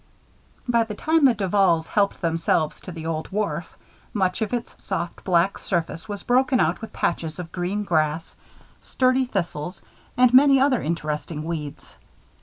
By the time the Duvals helped themselves to the old wharf, much of its soft black surface was broken out with patches of green grass, sturdy thistles, and many other interesting weeds.